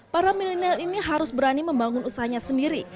para milenial ini harus berani membangun usahanya sendiri